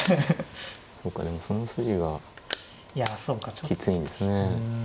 そうかでもその筋がきついんですね。